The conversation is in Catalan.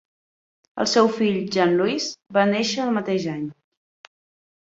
El seu fill Jean-Louis va néixer el mateix any.